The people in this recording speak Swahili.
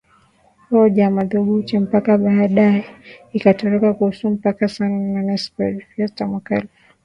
hoja madhubuti mpaka baadae ikatoka ruhusa mpaka saa nane usiku Je fiesta mwaka elfu